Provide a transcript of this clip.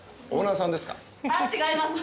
違います